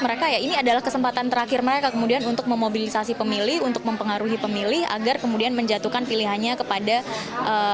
mereka ya ini adalah kesempatan terakhir mereka kemudian untuk memobilisasi pemilih untuk mempengaruhi pemilih agar kemudian menjatuhkan pilihannya kepada pemilih